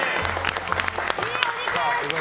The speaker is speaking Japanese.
いいお肉！